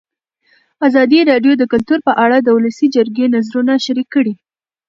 ازادي راډیو د کلتور په اړه د ولسي جرګې نظرونه شریک کړي.